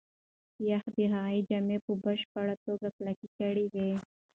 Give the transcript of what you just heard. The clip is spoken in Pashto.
یخ د هغې جامې په بشپړه توګه کلکې کړې وې.